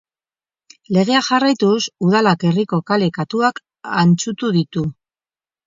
Legea jarraituz, Udalak herriko kale-katuak antzutu ditu.